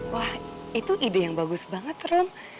wah itu ide yang bagus banget rem